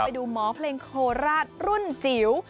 ไปดูหมอเพลงโคราชรุ่นจิ๋ว